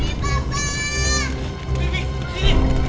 bapak jamil ada di sini